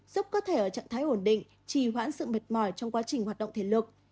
giúp cơ thể ở trạng thái ổn định trì hoãn sự mệt mỏi trong quá trình hoạt động thể lực